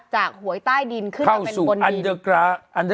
จากหวยใต้ดินขึ้นมาเป็นบนดิน